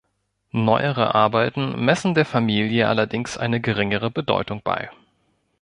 Neuere Arbeiten messen der Familie allerdings eine geringere Bedeutung bei.